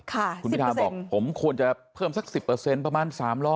คุณพิทาบอกผมควรจะเพิ่มสัก๑๐ประมาณ๓๐๐